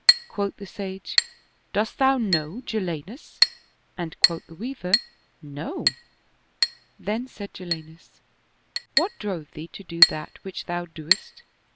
Quoth the sage, " Dost thou know Jalinus? " and quoth the Weaver, " No." Then said Jalinus, " What drove thee to do that which thou dost?"